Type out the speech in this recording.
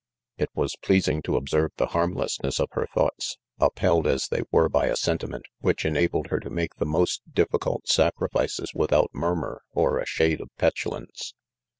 It was pleasing to observe the harailessoess of her thoughts, up held as they were bj a sentiment which ena bled her to make the most difficult sacrifices^. without murmur or a shade of petulance.